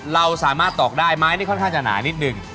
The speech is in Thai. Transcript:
เราสามารถตอกได้ไม้นี่ค่อนข้างจะหนานิดนึง